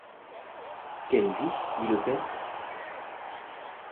Quelle vie! dit le père.